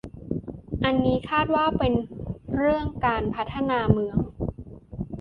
อันนี้คาดว่าเป็นเรื่องการพัฒนาเมือง